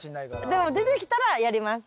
でも出てきたらやります。